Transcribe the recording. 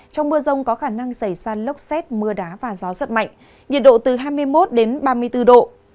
trong mưa rông có khả năng xảy ra lốc xét mưa đá và gió giật mạnh nhiệt độ từ hai mươi một đến ba mươi bốn độ